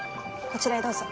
こちらへどうぞ。